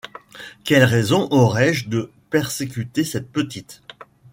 Quelle raison aurais-je de persécuter cette petite?